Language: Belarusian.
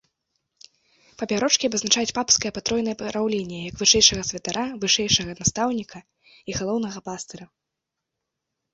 Папярочкі абазначаюць папскае патройнае праўленне як вышэйшага святара, вышэйшага настаўніка і галоўнага пастыра.